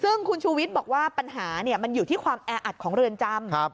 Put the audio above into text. ซึ่งคุณชูวิทย์บอกว่าปัญหามันอยู่ที่ความแออัดของเรือนจำ